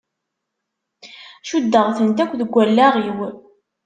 Cuddeɣ-tent akk deg wallaɣ-iw.